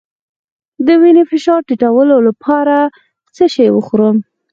د وینې فشار ټیټولو لپاره څه شی وخورم؟